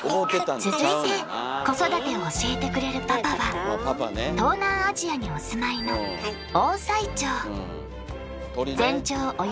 続いて子育てを教えてくれるパパは東南アジアにお住まいの鳥ね。